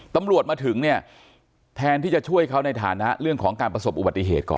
ตำรวจมาถึงเนี่ยแทนที่จะช่วยเขาในฐานะเรื่องของการประสบอุบัติเหตุก่อน